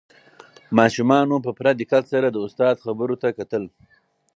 ماشومانو په پوره دقت سره د استاد خبرو ته کتل.